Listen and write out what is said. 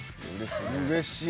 うれしい。